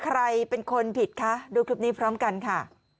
ใครเป็นคนผิดคะดูคลิปนี้พร้อมกันค่ะ